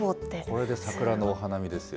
これでサクラのお花見ですよ。